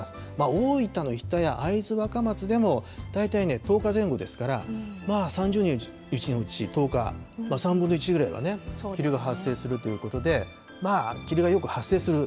大分の日田や会津若松でも、大体１０日前後ですから、３０日のうち１０日、３分の１ぐらいは霧が発生するということで、霧がよく発生する。